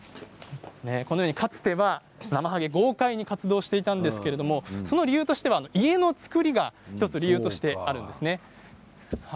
かつては、なまはげ豪快に活動していたんですけれどもその理由としては家の造りが１つ理由としてあります。